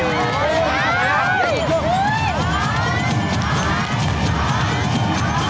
หลักสวย